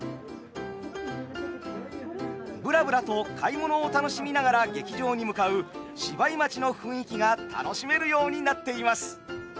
ぶらぶらと買い物を楽しみながら劇場に向かう芝居待ちの雰囲気が楽しめるようになっています。